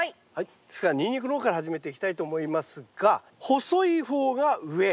ですからニンニクの方から始めていきたいと思いますが細い方が上。